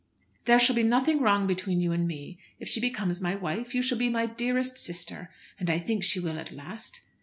"There shall be nothing wrong between you and me. If she becomes my wife, you shall be my dearest sister. And I think she will at last.